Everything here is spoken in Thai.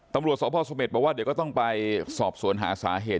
ตำรวจสพสเมษบอกว่าเดี๋ยวก็ต้องไปสอบสวนหาสาเหตุ